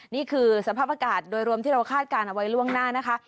นี่คือสภาพอากาศโดยรวมที่เราคาดการณ์เอาไว้ล่วงหน้านะคะ